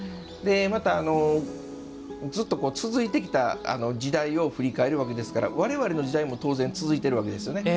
また、ずっと続いてきた時代を振り返るわけですから我々の時代も当然、続いているわけですよね。